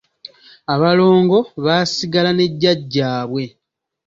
Abalongo baasigala ne Jjajjaabwe.